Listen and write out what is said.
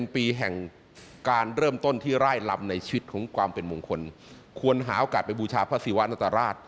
บางคนควรหาโอกาสไปบูชาพระศรีวะนัตราราศ